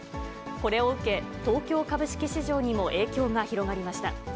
これを受け、東京株式市場にも影響が広がりました。